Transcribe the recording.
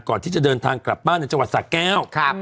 ก่อนที่จะเดินทางกลับบ้านในจังหวัดสะแก้ว